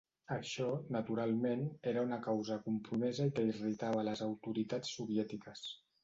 Això, naturalment, era una causa compromesa i que irritava les autoritats soviètiques.